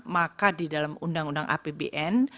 maka di dalam undang undang apbn